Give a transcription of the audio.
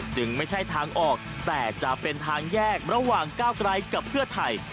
จึงไม่ใช่ทางออกแต่จะเป็นทางแยกระหว่างก้าวไกลกับเพื่อไทย